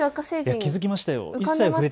気付きましたよ。